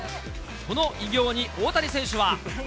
この偉業に、大谷選手は。